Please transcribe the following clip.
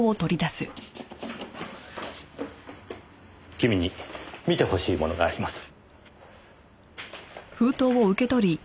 君に見てほしいものがあります。